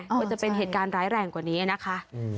ว่าจะเป็นเหตุการณ์ร้ายแรงกว่านี้นะคะ